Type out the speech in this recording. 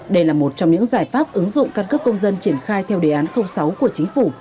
đây là một trong những giải pháp ứng dụng căn cấp công dân triển khai theo đề án sáu của chính phủ